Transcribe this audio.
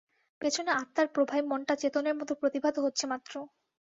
পেছনে আত্মার প্রভায় মনটা চেতনের মত প্রতিভাত হচ্ছে মাত্র।